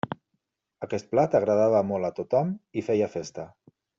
Aquest plat agradava molt a tothom i feia festa.